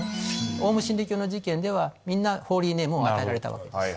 オウム真理教の事件ではみんなホーリーネームを与えられた。